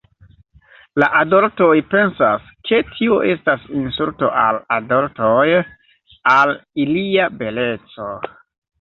La adoltoj pensas, ke tio estas insulto al adoltoj, al ilia beleco.